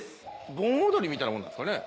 盆踊りみたいなもんなんですかね。